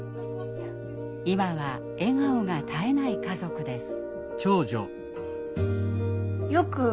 今は笑顔が絶えない家族です。